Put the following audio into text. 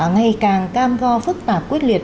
ngày càng cam go phức tạp quyết liệt